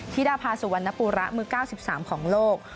ธิดาภาสุวรรณปูระมือ๙๓ของโลก